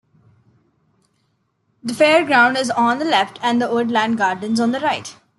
The fairground is on the left and the woodland gardens on the right.